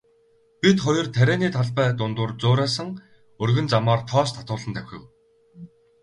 Бид хоёр тарианы талбай дундуур зурайсан өргөн замаар тоос татуулан давхив.